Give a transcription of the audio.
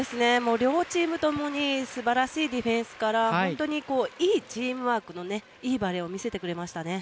両チームともに素晴らしいディフェンスから本当にいいチームワークのいいバレーを見せてくれましたね。